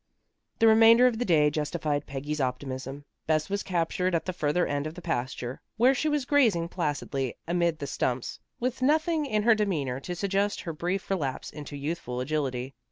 The remainder of the day justified Peggy's optimism. Bess was captured at the further end of the pasture, where she was grazing placidly amid the stumps, with nothing in her demeanor to suggest her brief relapse into youthful agility.